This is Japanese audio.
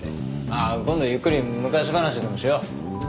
あっ今度ゆっくり昔話でもしよう。